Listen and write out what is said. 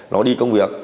nó đi công việc